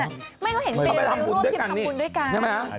ไม่เขาเห็นเป็นเลยเพื่อร่วมทีมทำกลุ่นด้วยกันนี่ได้ไหมครับ